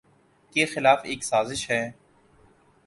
کے خلاف ایک سازش ہے۔